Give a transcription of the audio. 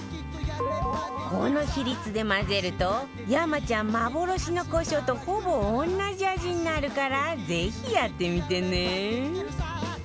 この比率で混ぜると山ちゃん幻のコショウとほぼ同じ味になるからぜひやってみてね